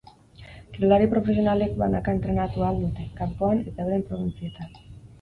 Kirolari profesionalek banaka entrenatu ahal dute, kanpoan, eta euren probintzietan.